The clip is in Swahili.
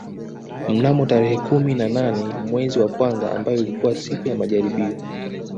Mnamo tarehe kumi na nane mwezi wa kwanza mbayo ilikuwa siku ya majaribio